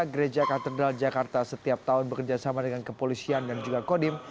gereja katedral jakarta setiap tahun bekerjasama dengan kepolisian dan juga kodim